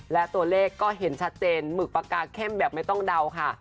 และตัวเลขก็เห็นชัดเจนหมึกปากกาเข้มแบบไม่ต้องเดาค่ะ